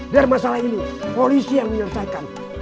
dari masalah ini polisi yang menyelesaikan